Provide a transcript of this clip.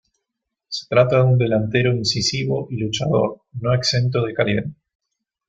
Se trata de un delantero incisivo y luchador, no exento de calidad.